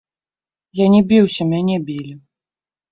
Я не біўся, мяне білі.